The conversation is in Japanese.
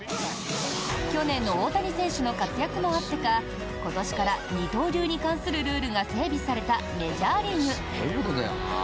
去年の大谷選手の活躍もあってか今年から二刀流に関するルールが整備されたメジャーリーグ。